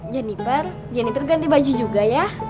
janifer janifer ganti baju juga ya